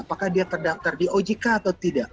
apakah dia terdaftar di ojk atau tidak